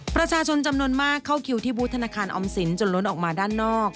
ประชาชนจำนวนมากเข้าคิวที่บูธธนาคารออมสินจนล้นออกมาด้านนอก